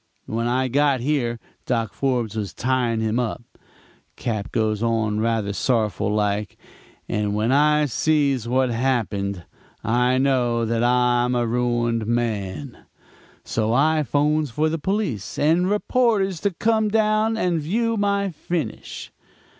When I got here, Doc. Forbes was tying him up,' Cap. goes on rather sorrowful like; 'and when I sees what's happened, I know that I'm a ruined man. So I 'phones for the police and reporters to come down and view my finish.'